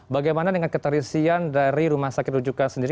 bagaimana dengan keterisian dari rumah sakit rujukan sendiri